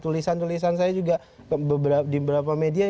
tulisan tulisan saya juga di beberapa media